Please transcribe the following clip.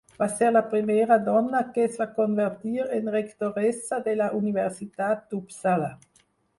Va ser la primera dona que es va convertir en rectoressa de la Universitat d'Uppsala.